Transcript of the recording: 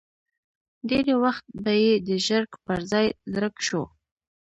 ډېری وخت به یې د ژړک پر ځای زرک شو.